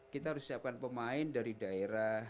kita harus siapkan pemain dari daerah